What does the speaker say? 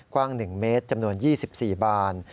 กว้าง๑เมตรจำนวน๒๔บาน